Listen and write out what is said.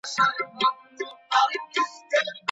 که زړې لوحې لرې سي، نو ښار نه بدرنګه کیږي.